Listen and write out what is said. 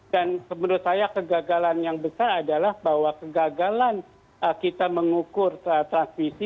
dan menurut saya kegagalan yang besar adalah bahwa kegagalan kita mengukur transmisi